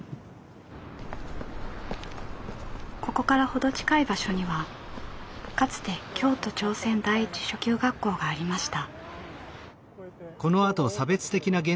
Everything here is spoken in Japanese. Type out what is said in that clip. ここから程近い場所にはかつて京都朝鮮第一初級学校がありました。